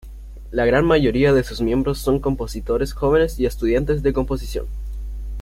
La gran mayoría de sus miembros son compositores jóvenes y estudiantes de composición.